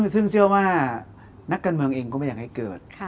ซึ่งเชื่อว่านักการเมืองเองก็ไม่อยากให้เกิด